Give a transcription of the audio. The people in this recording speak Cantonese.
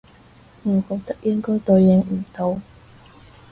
我覺得應該對應唔到